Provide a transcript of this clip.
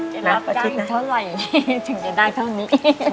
จะรับได้เท่าไหร่ถึงจะได้เท่านี้